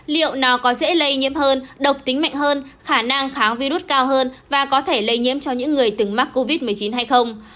liệu nào có dễ lây nhiễm hơn độc tính mạnh hơn khả năng kháng virus cao hơn và có thể lây nhiễm cho những người từng mắc covid một mươi chín hay không